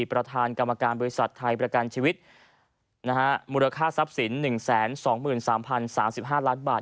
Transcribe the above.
ประธานกรรมการบริษัทไทยประกันชีวิตมูลค่าทรัพย์สิน๑๒๓๐๓๕ล้านบาท